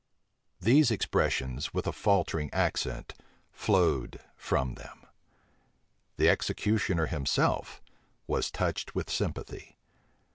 These expressions with a faltering accent flowed from them. The executioner himself was touched with sympathy.